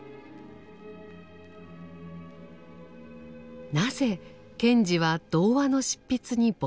なぜ賢治は童話の執筆に没頭したのか。